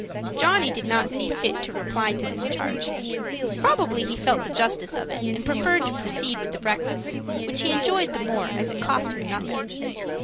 Johnny did not see fit to reply to this charge. Probably he felt the justice of it, and preferred to proceed with the breakfast, which he enjoyed the more as it cost him nothing.